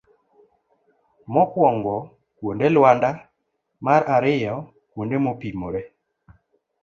mokuongo. kuonde luanda. mar ariyo kuonde mopimore.